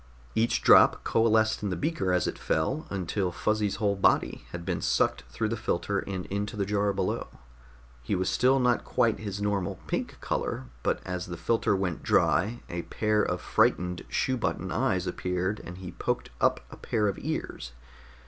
Each drop coalesced in the beaker as it fell until Fuzzy's whole body had been sucked through the filter and into the jar below. He was still not quite his normal pink color, but as the filter went dry, a pair of frightened shoe button eyes appeared and he poked up a pair of ears.